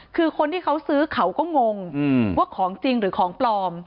คือคนที่เขาซื้อเขาก็งงว่าของจริงหรือของปลอม